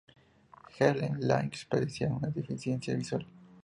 Helene Lange padecía una deficiencia visual.